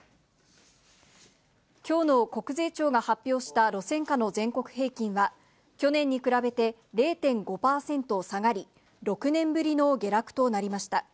きょうの国税庁が発表した路線価の全国平均は、去年に比べて０．５％下がり、６年ぶりの下落となりました。